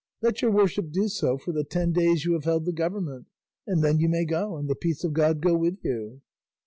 Let your worship do so for the ten days you have held the government, and then you may go and the peace of God go with you."